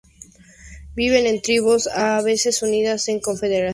Viven en tribus, a veces unidas en confederaciones.